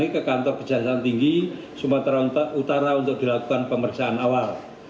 ke kantor kejaksaan tinggi sumatera utara untuk dilakukan pemeriksaan awal